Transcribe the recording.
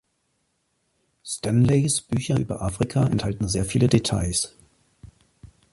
Stanleys Bücher über Afrika enthalten sehr viele Details.